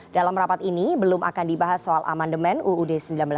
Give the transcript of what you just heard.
dalam rapat ini belum akan dibahas soal amandemen uud seribu sembilan ratus empat puluh lima